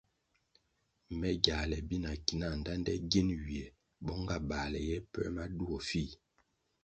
Me giāle bi na ki nah ndtande gin ywiè bong nga bāle puoē ma duo fih.